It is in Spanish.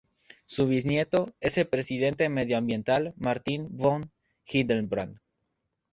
Su bisnieto es el dirigente medioambiental Martin von Hildebrand.